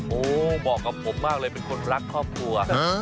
โอ้โหบอกกับผมมากเลยเป็นคนรักครอบครัว